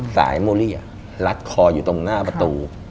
สายมูลลี่ลัดคออยู่ตรงหน้าประตู